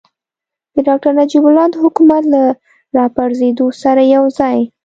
د ډاکتر نجیب الله د حکومت له راپرځېدو سره یوځای.